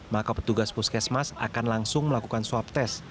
maka petugas puskesmas akan langsung melakukan swab test